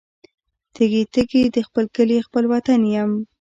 تږي، تږي د خپل کلي خپل وطن یم